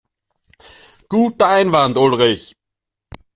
Guter Einwand, Ulrich.